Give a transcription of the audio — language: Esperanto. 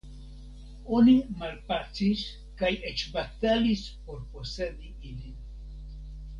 Oni malpacis, kaj eĉ batalis por posedi ilin.